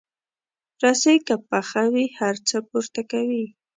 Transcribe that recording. رسۍ که پخه وي، هر څه پورته کوي.